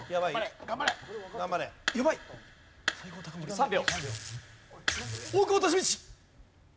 ３秒。